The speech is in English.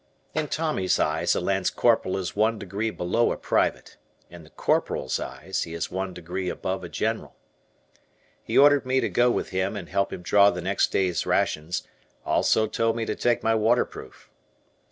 In Tommy's eyes, a Lance Corporal is one degree below a Private. In the Corporal's eyes, he is one degree above a General. He ordered me to go with him and help him draw the next day's rations, also told me to take my waterproof.